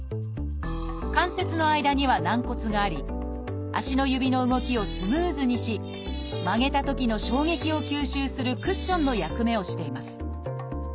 関節の間には軟骨があり足の指の動きをスムーズにし曲げたときの衝撃を吸収するクッションの役目をしています。